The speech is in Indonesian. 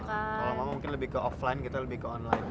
kalau mama mungkin lebih ke offline gitu lebih ke online nya